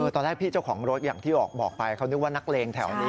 ตอนแรกพี่เจ้าของรถอย่างที่บอกไปเขานึกว่านักเลงแถวนี้